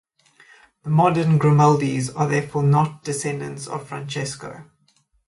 The modern Grimaldis are therefore not descendants of Francesco.